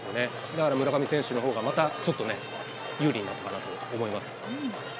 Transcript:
だから村上選手のほうがまたちょっとね、有利になったかなと思います。